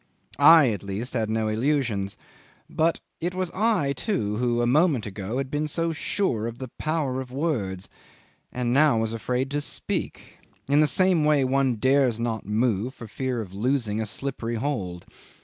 I at least had no illusions; but it was I, too, who a moment ago had been so sure of the power of words, and now was afraid to speak, in the same way one dares not move for fear of losing a slippery hold.